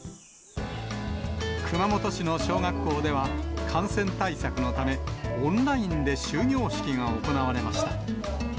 熊本市の小学校では、感染対策のため、オンラインで終業式が行われました。